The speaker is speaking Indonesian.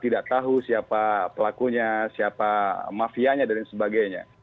tidak tahu siapa pelakunya siapa mafianya dan sebagainya